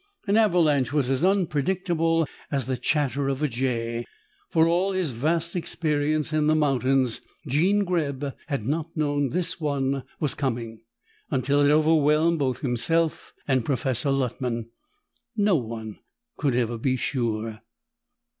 An avalanche was as unpredictable as the chatter of a jay. For all his vast experience in the mountains, Jean Greb had not known this one was coming until it overwhelmed both himself and Professor Luttman. No one could ever be sure.